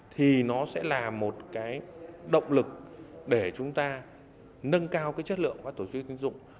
thì nó sẽ là một động lực để chúng ta nâng cao chất lượng của tổ chức tín dụng